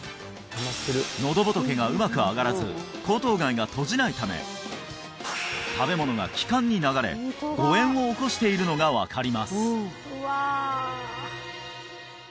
のど仏がうまく上がらず喉頭蓋が閉じないため食べ物が気管に流れ誤嚥を起こしているのが分かります